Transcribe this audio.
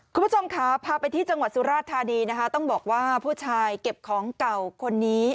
คุณผู้ชมค่ะพาไปที่จังหวัดสุราธานีนะคะต้องบอกว่าผู้ชายเก็บของเก่าคนนี้